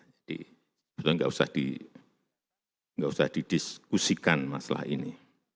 jadi betul betul enggak usah didiskusikan masalah ini